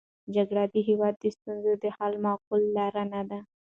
جګړه د هېواد د ستونزو د حل معقوله لاره نه ده.